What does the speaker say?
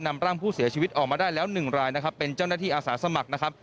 นำร่างผู้เสียชีวิตออกมาได้แล้วหนึ่งรายนะครับเป็นเจ้าหน้าที่อาสาสมัครนะครับ